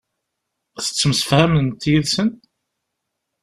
Tettemsefhamemt yid-sen?